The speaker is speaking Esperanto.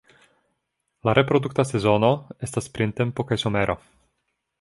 La reprodukta sezono estas printempo kaj somero.